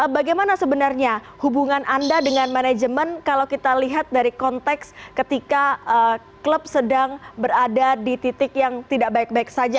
bagaimana sebenarnya hubungan anda dengan manajemen kalau kita lihat dari konteks ketika klub sedang berada di titik yang tidak baik baik saja